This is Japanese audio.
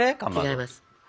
違います。